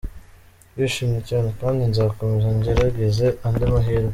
Ndishimye cyane kandi nzakomeza ngerageze andi mahirwe.